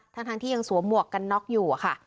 ทั้งที่ยังสวมหมวกกันน็อกอยู่อะค่ะ